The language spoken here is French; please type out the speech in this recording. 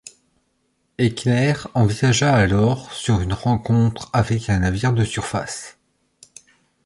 Eckener envisagea alors sur une rencontre avec un navire de surface.